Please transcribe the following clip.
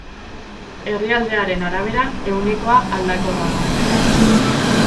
Herrialdearen arabera ehunekoa aldakorra da.